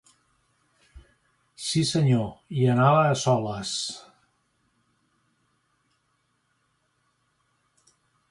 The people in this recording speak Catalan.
Sí, senyor; i anava a soles.